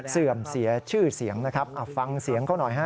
เสื่อมเสียชื่อเสียงนะครับฟังเสียงเขาหน่อยฮะ